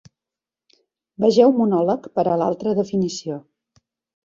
Vegeu monòleg per a l'altra definició.